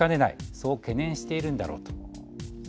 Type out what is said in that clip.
そう懸念しているんだろうと。